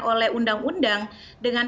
oleh undang undang dengan